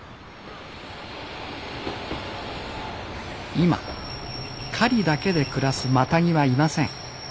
今狩りだけで暮らすマタギはいません。